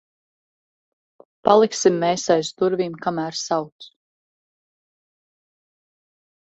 Paliksim mēs aiz durvīm, kamēr sauc.